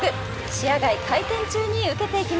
視野外回転中に受けていきます。